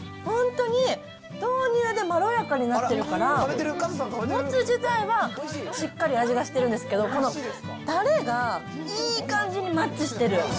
本当に豆乳でまろやかになってるから、もつ自体はしっかり味はしてるんですけど、このたれが、いい感じにマッチしてる。